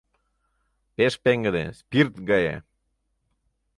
Пеш пеҥгыде, спирт гае.